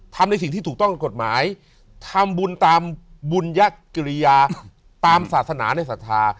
ทำในสิ่งที่ถูกต้องกฎหมายทำบุญตามบุญยกิริยาตามศาสนาในศรัทธา